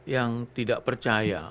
yang tidak percaya